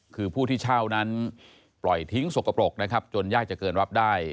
คือผู้ที่เช่านั้นปล่อยทิ้งสกปรกนะครับจนยากจะเกินรับได้